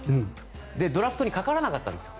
で、ドラフトにかからなかったんです。